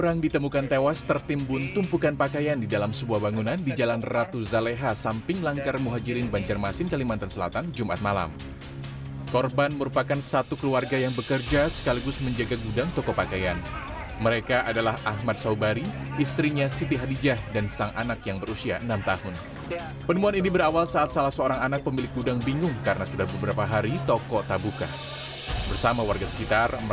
nah ini tempatnya